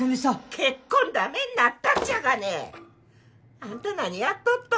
結婚ダメになったっちゃがねあんた何やっとっと？